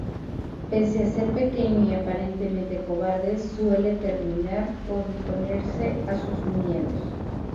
Pese a ser pequeño y aparentemente cobarde, suele terminar por imponerse a sus miedos.